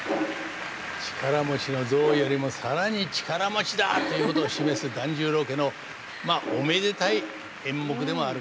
力持ちの象よりも更に力持ちだということを示す團十郎家のまあおめでたい演目でもあるんですね。